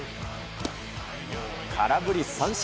空振り三振。